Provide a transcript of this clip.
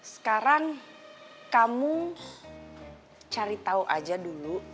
sekarang kamu cari tahu aja dulu